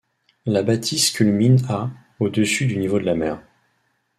La bâtisse culmine à au dessus du niveau de la mer.